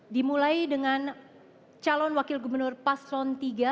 dimulai dengan calon wakil gubernur paslon tiga